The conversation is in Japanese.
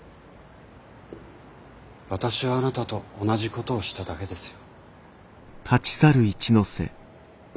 私はあなたと同じことをしただけですよ。